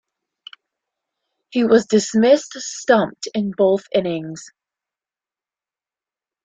He was dismissed stumped in both innings.